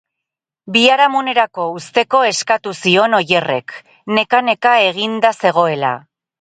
Biharamunerako uzteko eskatu zion Oierrek, neka-neka eginda zegoela.